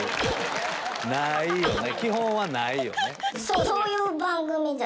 基本はないよね。